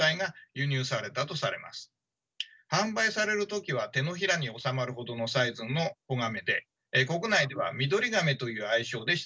販売される時は手のひらに収まるほどのサイズの子ガメで国内ではミドリガメという愛称で親しまれてきました。